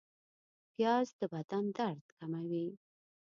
پیاز د بدن درد کموي